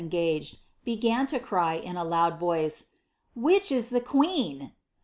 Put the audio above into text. engaged, began to cry. in tt Ii>u J voice, " Which is the queer ?"